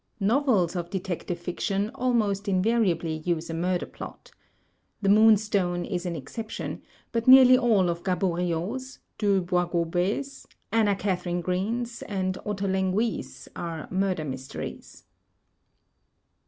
Novels of detective fiction almost invariably use a murder plot. "The Moonstone" is an exception; but nearly all of Gaboriau's, Du Boisgobey's, Anna Katharine Green's and Ottolengui's are murder mysteries.